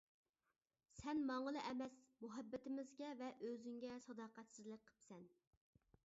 سەن ماڭىلا ئەمەس مۇھەببىتىمىزگە ۋە ئۆزۈڭگە ساداقەتسىزلىك قىپسەن.